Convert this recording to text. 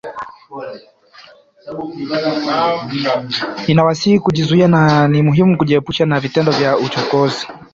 Ninawasihi kujizuia na ni muhimu kujiepusha na vitendo vya uchokozi